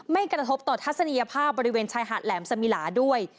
ไม่กระทบต่อทัศนียภาพบริเวณชายหาดแหลมสมิลาด้วย